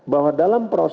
bahwa dalam perhubungan